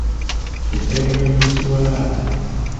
Eddagala ly’ekiwalaata.